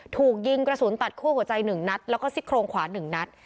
ถูกยิงกระสุนตัดคั่วหัวใจ๑นัดแล้วก็ซิกโครงขวา๑นัด